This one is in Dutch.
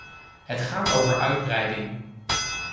Het gaat over uitbreiding.